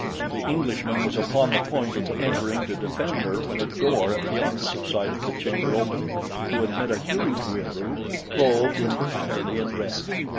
The Englishman was upon the point of entering to defend her when a door at the opposite side of the chamber opened to admit a huge Wieroo clothed entirely in red.